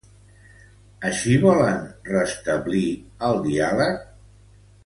Així volen restablir el diàleg?.